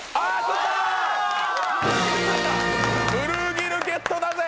ブルーギル、ゲットだぜ！